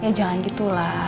ya jangan gitu lah